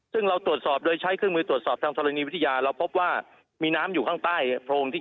ซึ่งเราตรวจสอบโดยใช้เครื่องมือตรวจสอบทางธรณีวิทยาเราพบว่ามีน้ำอยู่ข้างใต้โพรงที่